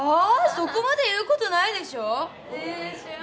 そこまで言うことないでしょ？ねえ主役